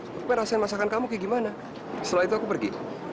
tapi rasain masakan kamu kayak gimana setelah itu aku pergi